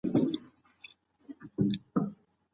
هغه کسان چې ډېر کار کوي، ډېر خوب ته اړتیا لري.